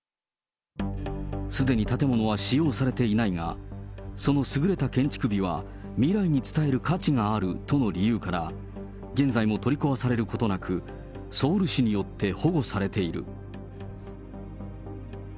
すでに建物は使用されていないが、その優れた建築美は、未来に伝える価値があるとの理由から、現在も取り壊されることなく、ソウル市によって保護されている。